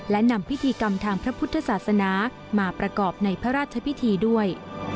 และนำพิธีกรรมทางพระพุทธศาสนามาประกอบในพระราชพิธีด้วย